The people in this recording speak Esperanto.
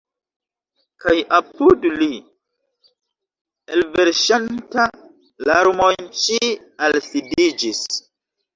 Kaj apud li, elverŝanta larmojn, ŝi alsidiĝis.